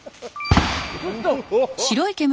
ちょっと。